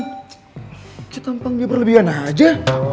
kiki tampangnya berlebihan aja